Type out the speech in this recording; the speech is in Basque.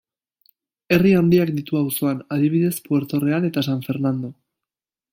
Herri handiak ditu auzoan, adibidez Puerto Real eta San Fernando.